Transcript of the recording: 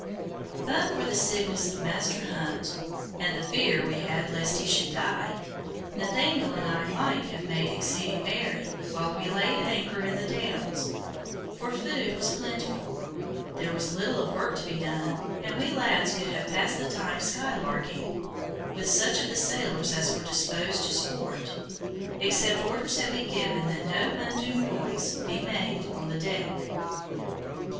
But for the sickness of Master Hunt, and the fear we had lest he should die, Nathaniel and I might have made exceeding merry while we lay at anchor in the Downs, for food was plentiful; there was little of work to be done, and we lads could have passed the time skylarking with such of the sailors as were disposed to sport, except orders had been given that no undue noise be made on deck.